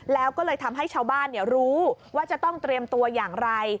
แล้วก็เลยทำให้ชาวบ้านรู้ว่าจะต้องเตรียมตัวอย่างไร